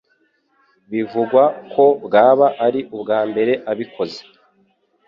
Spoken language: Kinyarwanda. Bivugwa ko bwaba ari ubwa mbere abikoze